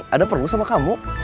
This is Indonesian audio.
ada perut gue sama kamu